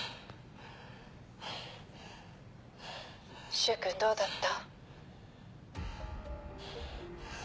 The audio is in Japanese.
柊君どうだった？